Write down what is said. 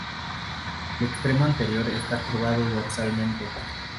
El extremo anterior está curvado dorsalmente.